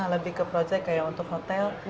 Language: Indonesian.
lebih ke project kayak untuk hotel